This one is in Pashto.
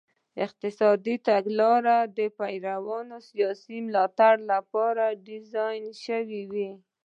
اقتصادي تګلارې د پېرون سیاسي ملاتړو لپاره ډیزاین شوې وې.